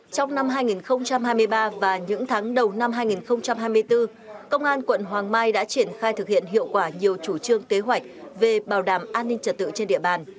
trong năm hai nghìn hai mươi ba và những tháng đầu năm hai nghìn hai mươi bốn công an quận hoàng mai đã triển khai thực hiện hiệu quả nhiều chủ trương kế hoạch về bảo đảm an ninh trật tự trên địa bàn